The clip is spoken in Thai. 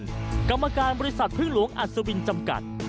กรรมการบริษัทพึ่งหลวงอัศวินจำกัด